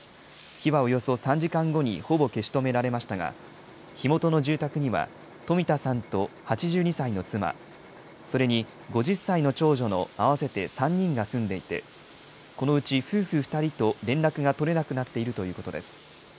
火はおよそ３時間後にほぼ消し止められましたが、火元の住宅には、冨田さんと８２歳の妻、それに５０歳の長女の合わせて３人が住んでいて、このうち夫婦２人と連絡が取れなくなっているということです。